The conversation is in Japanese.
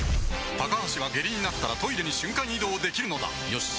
高橋は下痢になったらトイレに瞬間移動できるのだよし。